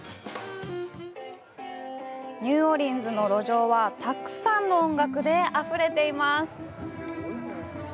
ニューオリンズの路上はたくさんの音楽であふれています。